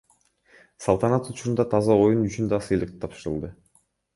Салтанат учурунда таза оюн үчүн да сыйлык тапшырылды.